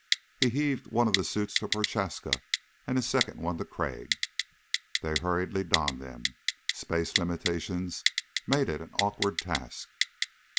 He heaved one of the suits to Prochaska and a second one to Crag. They hurriedly donned them. Space limitations made it an awkward task.